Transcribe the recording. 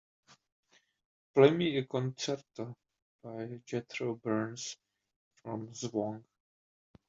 Play me a concerto by Jethro Burns from Zvooq